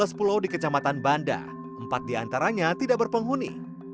ada sebelas pulau di kecamatan banda empat di antaranya tidak berpenghuni